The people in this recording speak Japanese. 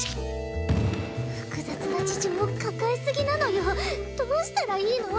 複雑な事情を抱えすぎなのよどうしたらいいの？